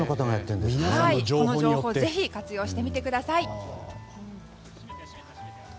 この情報をぜひ活用してみてください。